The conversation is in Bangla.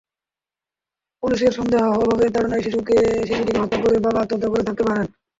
পুলিশের সন্দেহ, অভাবের তাড়নায় শিশুটিকে হত্যা করে বাবা আত্মহত্যা করে থাকতে পারেন।